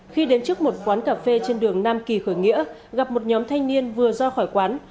khi đến trước một quán cà phê trên đường nam kỳ khởi nghĩa gặp một nhóm thanh niên vừa ra khỏi quán